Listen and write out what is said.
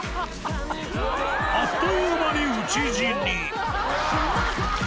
あっという間に討ち死に。